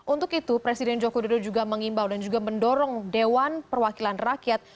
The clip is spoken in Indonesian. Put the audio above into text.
untuk itu presiden joko widodo juga mengimbau dan juga mendorong dewan perwakilan rakyat